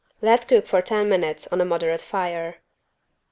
Let cook for ten minutes on a moderate fire.